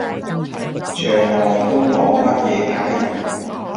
牆外都冇乜嘢睇